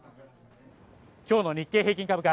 きょうの日経平均株価